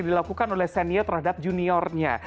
dilakukan oleh senior terhadap juniornya